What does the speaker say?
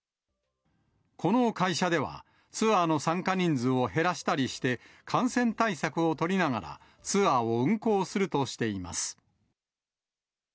この会社では、ツアーの参加人数を減らしたりして、感染対策を取りながら、ツアーを運行するとしています。